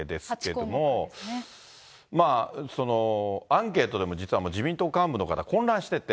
アンケートでも実は自民党幹部の方、混乱してて。